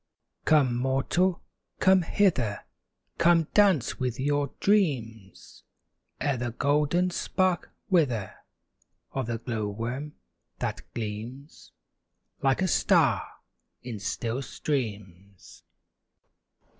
Come, mortal, come hither! Come dance with your dreams, Ere the golden spark wither Of the glow worm that gleams Like a star in still streams.